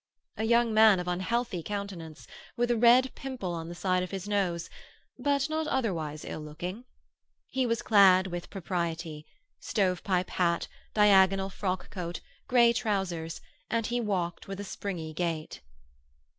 A young man of unhealthy countenance, with a red pimple on the side of his nose, but not otherwise ill looking. He was clad with propriety—stove pipe hat, diagonal frockcoat, grey trousers, and he walked with a springy gait.